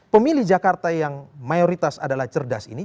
pemilih jakarta yang mayoritas adalah cerdas ini